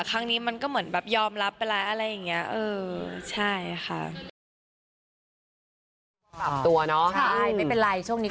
ครั้งนี้มันก็เหมือนแบบยอมรับไปแล้วอะไรอย่างนี้